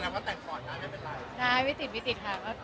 เวลาว่าแต่งข่อนงานไม่เป็นไร